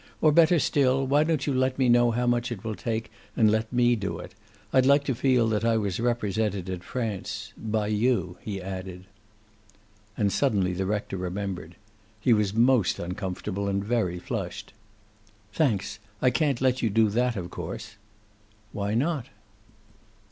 "Or, better still, why don't you let me know how much it will take and let me do it? I'd like to feel that I was represented in France by you," he added. And suddenly the rector remembered. He was most uncomfortable, and very flushed. "Thanks. I can't let you do that, of course." "Why not?"